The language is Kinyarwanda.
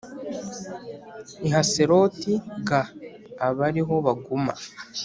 i Haseroti g aba ari ho baguma